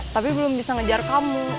tapi belum bisa ngejar kamu